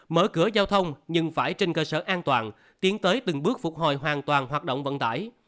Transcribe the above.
mở cửa giao thông nhưng phải trên cơ sở an toàn tiến tới từng bước phục hồi hoàn toàn hoạt động vận tải